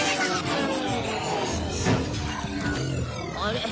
あれ？